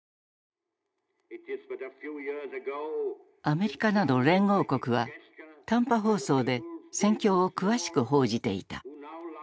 アメリカなど連合国は短波放送で戦況を詳しく報じていた。